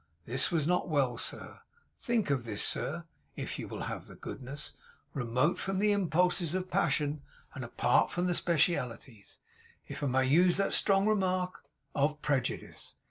This was not well, sir!" Think of this, sir (if you will have the goodness), remote from the impulses of passion, and apart from the specialities, if I may use that strong remark, of prejudice.